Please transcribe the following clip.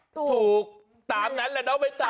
ถูกตามนั้นแล้วไม่ตาม